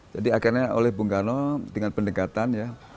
jadi akhirnya oleh bung karno dengan pendekatan ya